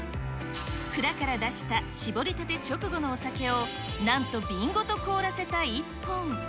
蔵から出した搾りたて直後のお酒を、なんと瓶ごと凍らせた一本。